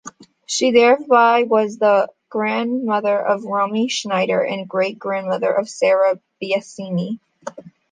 She thereby was the grandmother of Romy Schneider and great grandmother of Sarah Biasini.